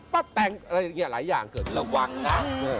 ปั๊บแต่งอะไรอย่างเกินระวังนะ